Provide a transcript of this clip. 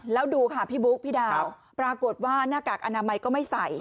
แล้วดูค่ะพี่บุ๊คพี่ดาวปรากฏว่าหน้ากากอนามัยก็ไม่ใส่